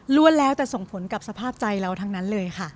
แล้วแต่ส่งผลกับสภาพใจเราทั้งนั้นเลยค่ะ